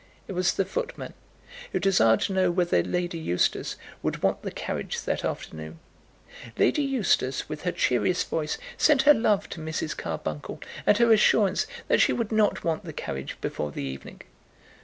It was the footman, who desired to know whether Lady Eustace would want the carriage that afternoon. Lady Eustace, with her cheeriest voice, sent her love to Mrs. Carbuncle, and her assurance that she would not want the carriage before the evening.